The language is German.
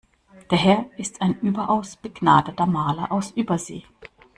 Der Herr ist ein überaus begnadeter Maler aus Übersee.